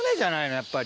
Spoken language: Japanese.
やっぱり。